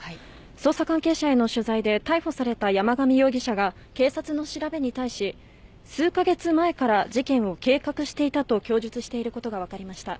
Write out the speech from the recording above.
捜査関係者への取材で、逮捕された山上容疑者が警察の調べに対し、数か月前から事件を計画していたと供述していることが分かりました。